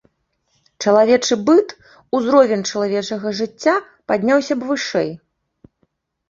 Чалавечы быт, узровень чалавечага жыцця падняўся б вышэй.